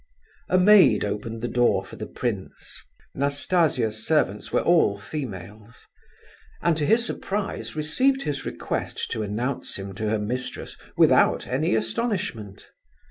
A maid opened the door for the prince (Nastasia's servants were all females) and, to his surprise, received his request to announce him to her mistress without any astonishment.